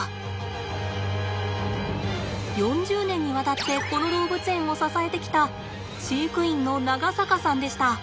４０年にわたってこの動物園を支えてきた飼育員の長坂さんでした。